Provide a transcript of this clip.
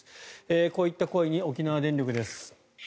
こういった声に沖縄電力です。